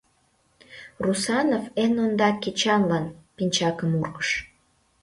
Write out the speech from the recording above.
Русанов эн ондак Эчанлан пинчакым ургыш.